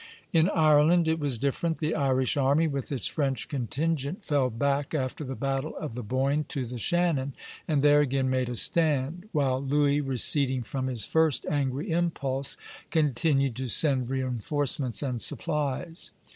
In Ireland it was different. The Irish army with its French contingent fell back, after the battle of the Boyne, to the Shannon, and there again made a stand; while Louis, receding from his first angry impulse, continued to send reinforcements and supplies.